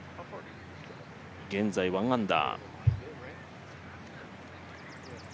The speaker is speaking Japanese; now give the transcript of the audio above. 現在、１アンダー。